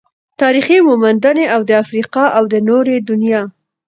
تاريخي موندنې او د افريقا او نورې دنيا